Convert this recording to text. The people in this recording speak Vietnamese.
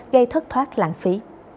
gây thất thoát lãng phí